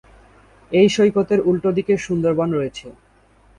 এই সৈকতের উল্টোদিকে সুন্দরবন রয়েছে।